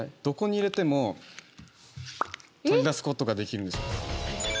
どこに入れても取り出すことができるんです。